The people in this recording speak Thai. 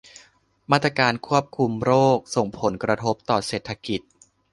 มาตรการควบคุมโรคส่งผลกระทบต่อเศรษฐกิจ